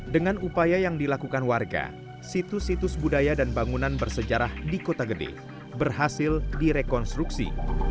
dengan upaya yang dilakukan warga situs situs budaya dan bangunan bersejarah di kota gede berhasil direkonstruksi